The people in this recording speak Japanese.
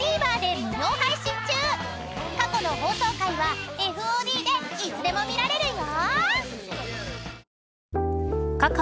［過去の放送回はＦＯＤでいつでも見られるよ］